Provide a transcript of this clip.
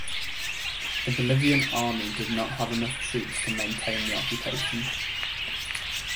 The Bolivian Army did not have enough troops to maintain the occupation.